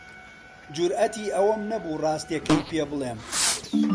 جورئەتی ئەوەم نەبوو ڕاستییەکەی پێ بڵێم.